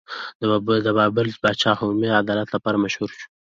د بابل پاچا حموربي د عدالت لپاره مشهور شو.